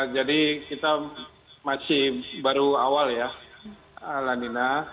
jadi kita masih baru awal ya lanina